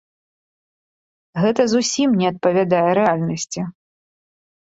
Гэта зусім не адпавядае рэальнасці.